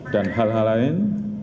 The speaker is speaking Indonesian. dan hal hal lain